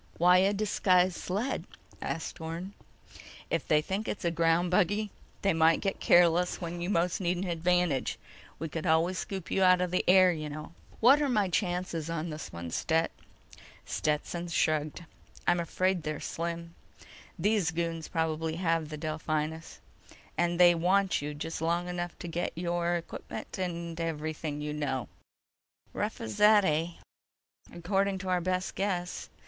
"Why a disguised sled?" asked Orne. "If they think it's a ground buggy, they might get careless when you most need an advantage. We could always scoop you out of the air, you know." "What're my chances on this one, Stet?" Stetson shrugged. "I'm afraid they're slim. These goons probably have the Delphinus, and they want you just long enough to get your equipment and everything you know." "Rough as that, eh?" "According to our best guess.